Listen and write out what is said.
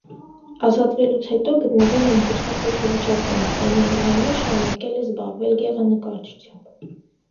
Ազատավելուց հետո գտնվել է ընկճված հոգեվիճակում, այնուամենայնիվ շարունակել է զբաղվել գեղանկարչությամբ։